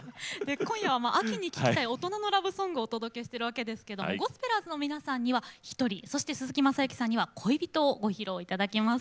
今夜は秋に聴きたい大人のラブソングをお届けしてるわけですけどもゴスペラーズの皆さんには「ひとり」そして鈴木雅之さんには「恋人」をご披露頂きます。